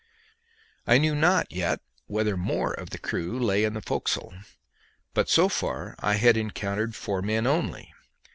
I knew not yet whether more of the crew lay in the forecastle, but so far I had encountered four men only.